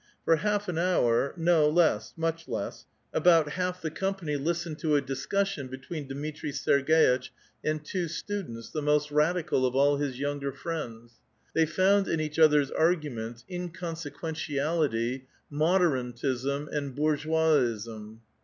For half ^ hour — no, less, much less — almost half the company 190 A VITAL QUESTION. listened to a discussion between Dmitri Serg^itch and twc stiuleuts, the most radical of all his younger friends. They found in each other's arguments inconsequentiality, moder antism, and l>oui^eoisism.